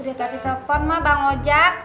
udah tadi telpon mak bang ojak